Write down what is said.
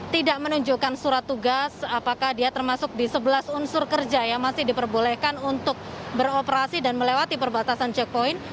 tidak menunjukkan surat tugas apakah dia termasuk di sebelas unsur kerja yang masih diperbolehkan untuk beroperasi dan melewati perbatasan checkpoint